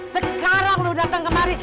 sekarang lu datang kemari